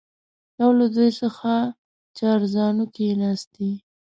یو له دوی څخه چارزانو کښېنستی.